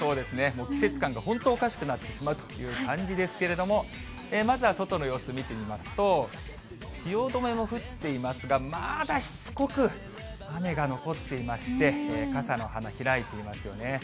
もう季節感が本当おかしくなってしまうという感じですけれども、まずは外の様子見てみますと、汐留も降っていますが、まだしつこく雨が残っていまして、傘の花開いていますよね。